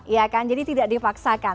ya kan jadi tidak dipaksakan